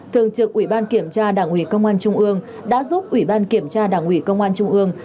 thường trực ủy ban kiểm tra đảng ủy công an trung ương đã giúp ủy ban kiểm tra đảng ủy công an trung ương